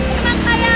buat tempat balapan